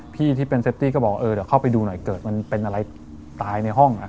ที่เป็นเซฟตี้ก็บอกเออเดี๋ยวเข้าไปดูหน่อยเกิดมันเป็นอะไรตายในห้อง